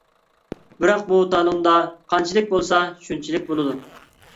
بىراق بۇ تالوندا قانچىلىك بولسا شۇنچىلىك بولىدۇ.